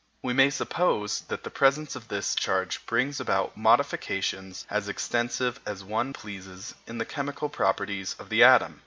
We may suppose that the presence of this charge brings about modifications as extensive as one pleases in the chemical properties of the atom.